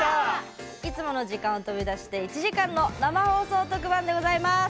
いつもの時間を飛び出して１時間の生放送特番でございます。